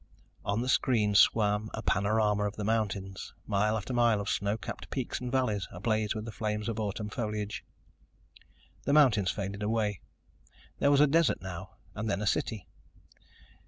On the screen swam a panorama of the mountains, mile after mile of snow capped peaks and valleys ablaze with the flames of autumn foliage. The mountains faded away. There was desert now and then a city.